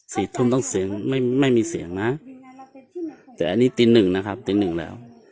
สี่ทุ่มต้องเสียงไม่ไม่มีเสียงนะแต่อันนี้ตีหนึ่งนะครับตีหนึ่งแล้ว